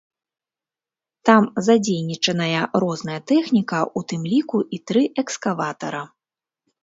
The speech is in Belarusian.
Там задзейнічаная розная тэхніка, у тым ліку і тры экскаватара.